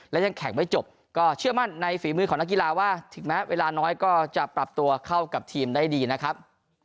และยังแข่งไม่จบก็เชื่อมั่นในฝีมือของนักกีฬาว่าถึงแม้เวลาน้อยก็จะปรับตัวเข้ากับทีมได้ดีนะครับ